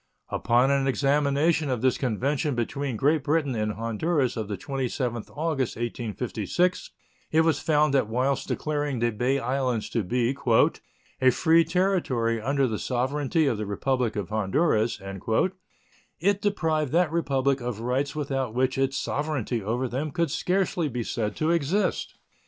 Upon an examination of this convention between Great Britain and Honduras of the 27th August, 1856, it was found that whilst declaring the Bay Islands to be "a free territory under the sovereignty of the Republic of Honduras" it deprived that Republic of rights without which its sovereignty over them could scarcely be said to exist.